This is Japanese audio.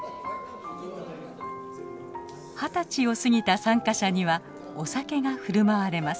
二十歳を過ぎた参加者にはお酒が振る舞われます。